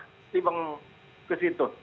timbang ke situ